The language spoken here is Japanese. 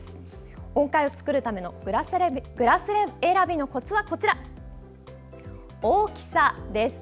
音階を作るためのグラス選びのコツは、大きさです。